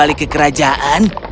akan kembali ke kerajaan